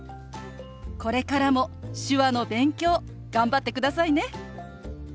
これからも手話の勉強頑張ってくださいね。